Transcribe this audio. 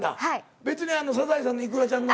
別に「サザエさん」のイクラちゃんの。